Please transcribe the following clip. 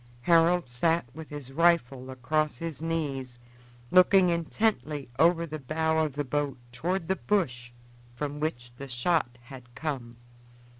Harold sat with his rifle across his knees, looking intently over the bows of the boat toward the bush from which the shot had come.